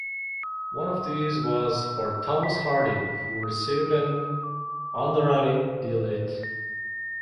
One of these was for Thomas Hardy who received an Honorary D. Litt.